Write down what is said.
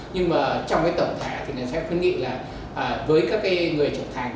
nhưng mà trong cái tổng thể thì mình sẽ khuyến nghị là với các cái người trở thành